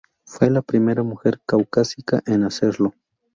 Fue la primera mujer caucásica en hacerlo.